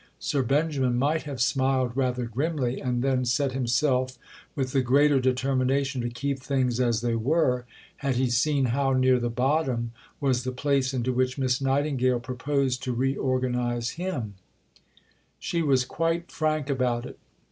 Sir Benjamin might have smiled rather grimly, and then set himself with the greater determination to keep things as they were, had he seen how near the bottom was the place into which Miss Nightingale proposed to reorganize him. She was quite frank about it.